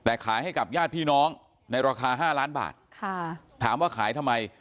แต่ขายให้กับญาติพี่น้องในราคา๕ล้านบาทค่ะถามว่าขายทำไม